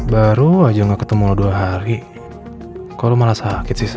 baru aja nggak ketemu lo dua hari kok lo malah sakit sih sa